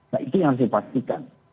nah itu yang harus dipastikan